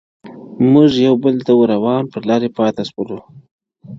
o موږ يو وبل ته ور روان پر لاري پاته سولو ,